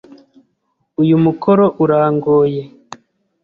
Uyu mukoro urangoye.